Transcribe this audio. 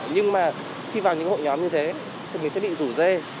nhưng mà khi vào những hội nhóm như thế mình sẽ bị rủ dê